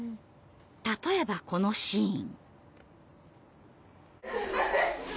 例えばこのシーン。